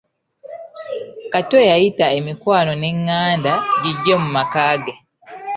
Kato yayita emikwano n'enganda gijje mu maka ge.